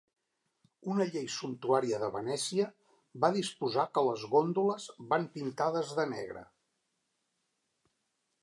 Una llei sumptuària de Venècia va disposar que les góndoles van pintades de negre.